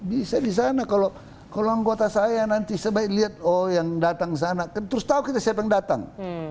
bisa di sana kalau anggota saya nanti sebaik lihat oh yang datang ke sana kan terus tahu kita siapa yang datang